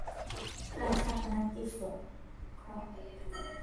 การฌาปนกิจสงเคราะห์